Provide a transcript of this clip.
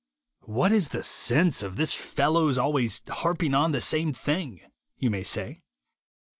"What is the sense of this fellow's always harping on the same thing," you may say.